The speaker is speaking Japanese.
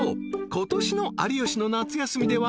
ことしの『有吉の夏休み』では］